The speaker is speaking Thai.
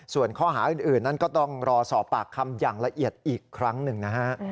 ส่วนข้อหาอื่นนั้นก็ต้องรอสอบปากคำอย่างละเอียดอีกครั้งหนึ่งนะฮะ